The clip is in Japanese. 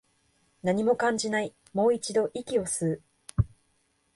何も感じない、もう一度、息を吸う